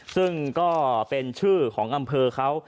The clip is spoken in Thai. ซึ่งก็เป็นชื่อของอำเภอเขา